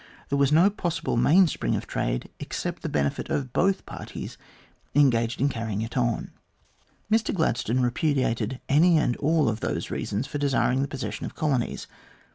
There was no possible mainspring of trade, except the benefit of both parties engaged in carrying it on. Mr Gladstone repudiated any and all of those reasons for desiring the possession of colonies.